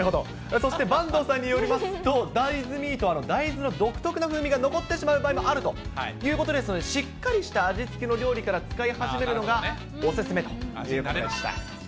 そして坂東さんによりますと、大豆ミートは大豆の独特な風味が残ってしまうこともありますので、しっかりした味付けの料理から使い始めるのがお勧めということでした。